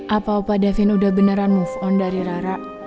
apa opa devin udah beneran move on dari rara